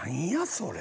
それ。